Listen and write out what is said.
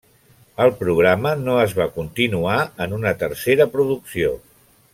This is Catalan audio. El programa no es va continuar en una tercera producció.